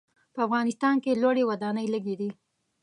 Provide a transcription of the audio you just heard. په افغانستان کې لوړې ودانۍ لږ دي.